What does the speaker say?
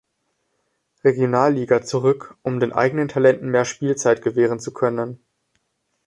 Regionalliga zurück, um den eigenen Talenten mehr Spielzeit gewähren zu können.